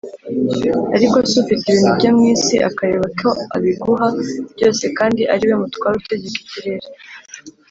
Ariko se ufite ibintu byo mu isi akareba ko abiguha byose kandi ariwe mutware utegeka ikirere